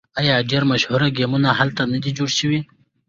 آیا ډیر مشهور ګیمونه هلته نه دي جوړ شوي؟